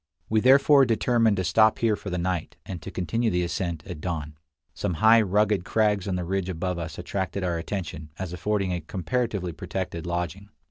We therefore determined to stop here for the night, and to continue the ascent at dawn. Some high, rugged crags on the ridge above us attracted our attention as affording a comparatively protected lodging.